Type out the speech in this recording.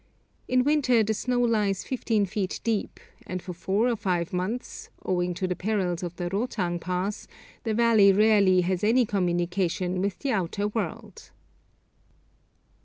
In winter the snow lies fifteen feet deep, and for four or five months, owing to the perils of the Rotang Pass, the valley rarely has any communication with the outer world.